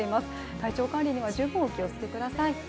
体調管理には十分お気をつけください。